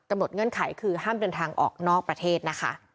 เงื่อนไขคือห้ามเดินทางออกนอกประเทศนะคะ